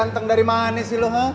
ganteng dari mana sih lo ha